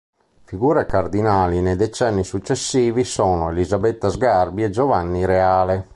Figure cardinali nei decenni successivi sono Elisabetta Sgarbi e Giovanni Reale.